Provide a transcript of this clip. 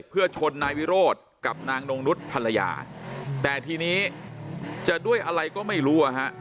เพื่อชนนายวิโรธกับนางนงนุษย์ภรรยาแต่ทีนี้จะด้วยอะไรก็ไม่รู้อ่ะฮะ